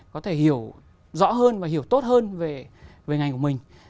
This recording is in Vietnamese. để hiểu rõ hơn và hiểu tốt hơn về ngành của mình